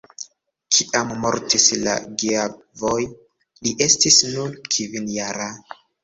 Kiam mortis la geavoj, li estis nur kvinjara.